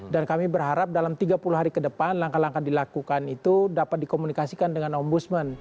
dan kami berharap dalam tiga puluh hari ke depan langkah langkah dilakukan itu dapat dikomunikasikan dengan ombudsman